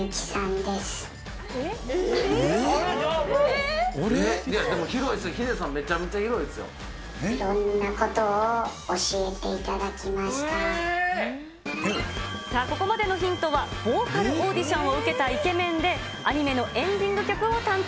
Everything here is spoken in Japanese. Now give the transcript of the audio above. でもヒデさん、めちゃめちゃいろんなことを教えていたださあ、ここまでのヒントは、ボーカルオーディションを受けたイケメンで、アニメのエンディング曲を担当。